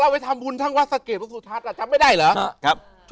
ถ้าไปทำวุญทั้งวัศเกษตรสุธรรมจำไม่ได้เหรอ